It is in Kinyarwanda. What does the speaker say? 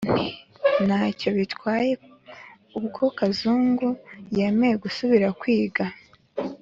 Nti: nta cyo bitwaye ubwo Kazungu yemeye gusubira kwiga